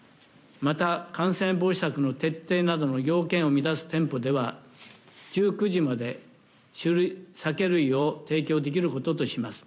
また、感染防止策の徹底などの要件を満たす店舗では１９時まで酒類を提供できることとします。